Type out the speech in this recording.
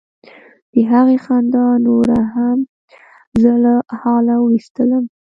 د هغې خندا نوره هم زه له حاله ویستلم.